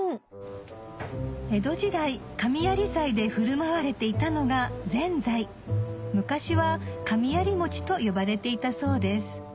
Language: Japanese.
江戸時代神在祭で振る舞われていたのがぜんざい昔は「神在餅」と呼ばれていたそうです